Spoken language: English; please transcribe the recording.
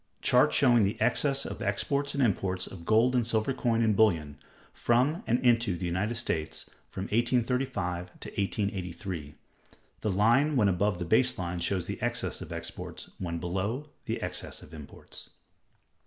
_Chart showing the Excess of Exports and Imports of Gold and Silver Coin and Bullion, from and into the United States, from 1835 to 1883. The line when above the base line shows the excess of exports; when below, the excess of imports.